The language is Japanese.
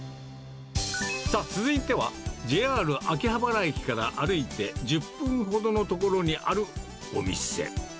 さあ、続いてはＪＲ秋葉原駅から歩いて１０分ほどの所にあるお店。